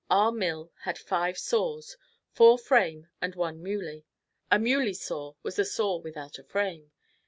Our mill had five saws four frame and one muley. A muley saw was a saw without a frame.